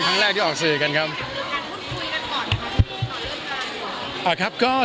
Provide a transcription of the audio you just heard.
หรือว่าไม่ค่อย